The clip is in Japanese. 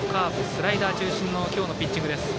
スライダー中心の今日のピッチングです。